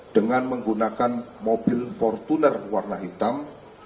dengan menggunakan mobil fortuner warna hitam